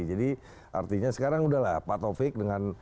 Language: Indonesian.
jadi artinya sekarang udah lah pak tovik